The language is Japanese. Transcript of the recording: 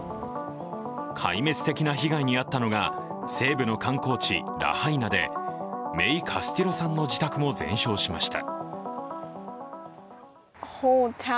壊滅的な被害に遭ったのが西部の観光地ラハイナでメイ・カスティロさんの自宅も全焼しました。